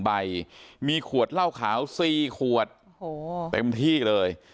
ใบมีขวดเหล้าขาว๔ขวดเต็มที่เลย